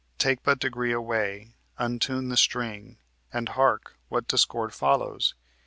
Take but degree away, untune the string, And hark, what discord follows!